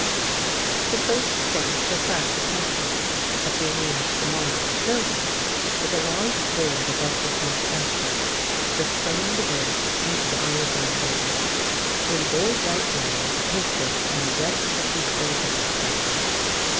The first thing to attract attention, as we neared the modest building, was a large board above the front entrance, displaying the words "Revival Meetings" in bold white letters pasted on a red turkey twill background.